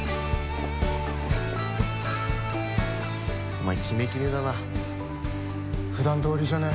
お前キメキメだな普段どおりじゃね？